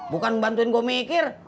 bukan membantuin gue mikir